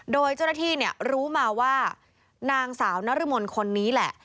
โดยเจ้าหน้าที่รู้มาว่านางสาวนรมนคนนี้แหละ